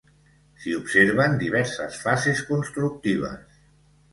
S'hi observen diverses fases constructives.